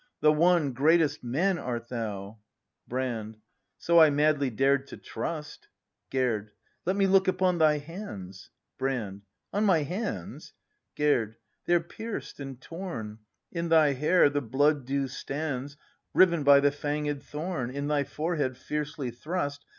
The One, greatest Man art thou — Brand. So I madly dared to trust. Gerd. Let me look upon thy hands! Brand. On my hands ? Gerd. They're pierced and torn! In thy hair the blood dew stands, Riven by the fanged thorn In thy forehead fiercely thrust.